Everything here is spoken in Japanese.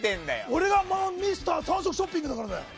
俺がミスター３色ショッピングだからだよ。